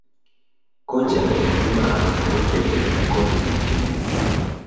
kocha lazima ahangaika kuleta kombe kwenye timu yake